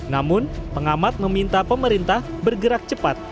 namun pengamat meminta pemerintah bergerak cepat